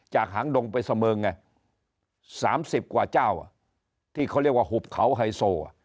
หางดงไปเสมิงไง๓๐กว่าเจ้าที่เขาเรียกว่าหุบเขาไฮโซ